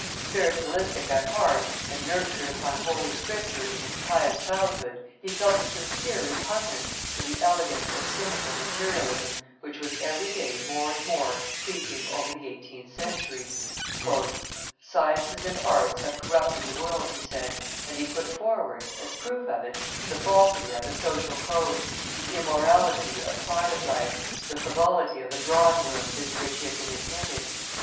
Spiritualistic at heart and nurtured upon Holy Scripture in his pious childhood, he felt a sincere repugnance for the elegant or cynical materialism which was every day more and more creeping over the eighteenth century. "Sciences and arts have corrupted the world," he said, and he put forward, as proof of it, the falsity of the social code, the immorality of private life, the frivolity of the drawing rooms into which he had been admitted.